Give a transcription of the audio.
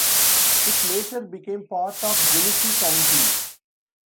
It later became part of Genesee County.